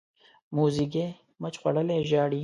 موزیګی مچ خوړلی ژاړي.